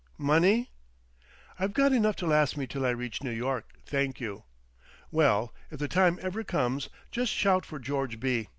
Money ?" "I've got enough to last me till I reach New York, thank you." "Well, if the time ever comes, just shout for George B.